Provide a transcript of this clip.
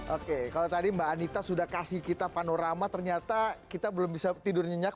oke kalau tadi mbak anita sudah kasih kita panorama ternyata kita belum bisa tidur nyenyak